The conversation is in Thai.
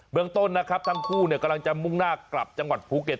เมืองต้นนะครับทั้งคู่กำลังจะมุ่งหน้ากลับจังหวัดภูเก็ต